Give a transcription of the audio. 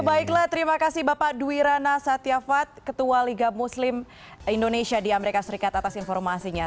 baiklah terima kasih bapak duwirana satyafad ketua liga muslim indonesia di amerika serikat atas informasinya